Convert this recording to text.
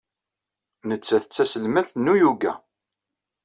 Nettat d taselmadt n uyuga.